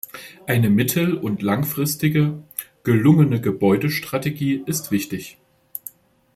Eine mittel- und langfristige, gelungene Gebäudestrategie ist wichtig.